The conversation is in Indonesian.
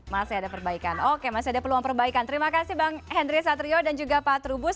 masih ada perbaikan oke masih ada peluang perbaikan terima kasih bang henry satrio dan juga pak trubus